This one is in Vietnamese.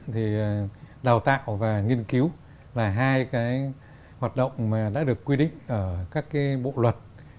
thì đào tạo và nghiên cứu là hai hoạt động đã được quy định ở các bộ luật